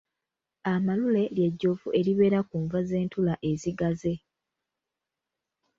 Amalule ly'ejjovu eribeera ku nva z'entula ezigaze.